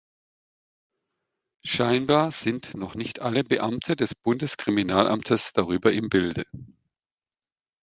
Scheinbar sind noch nicht alle Beamte des Bundeskriminalamtes darüber im Bilde.